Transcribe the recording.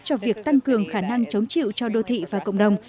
cho việc tăng cường khả năng chống chịu cho đô thị và cộng đồng